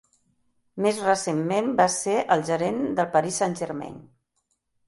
Més recentment va ser el gerent de Paris Saint-Germain.